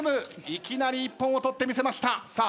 いきなり一本を取ってみせましたさあ